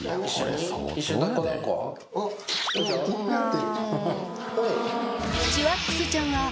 でも気になってる。